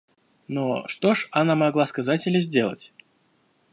Но что ж она могла сказать или сделать?